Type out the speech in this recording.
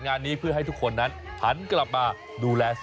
การแข่งขันตั้ม๓วัยวัย